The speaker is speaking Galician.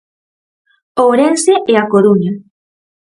Ourense e A Coruña.